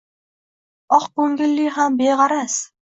Oq koʼngilli ham begʼaraz.